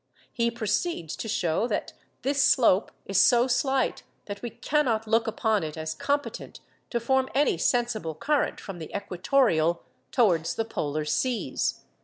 He proceeds to show that this slope is so slight that we cannot look upon it as competent to form any sensible current from the equatorial towards the polar seas.